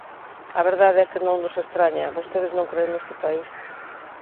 A verdade é que non nos estraña, vostedes non cren neste país.